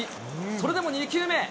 それでも２球目。